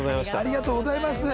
ありがとうございます。